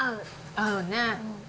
合うね。